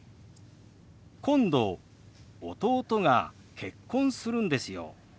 「今度弟が結婚するんですよ」。